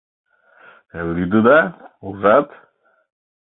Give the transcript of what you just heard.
Лӱдыда, ужат!